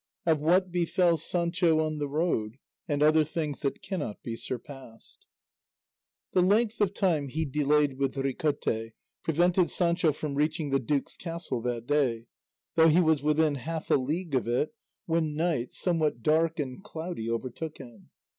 OF WHAT BEFELL SANCHO ON THE ROAD, AND OTHER THINGS THAT CANNOT BE SURPASSED The length of time he delayed with Ricote prevented Sancho from reaching the duke's castle that day, though he was within half a league of it when night, somewhat dark and cloudy, overtook him.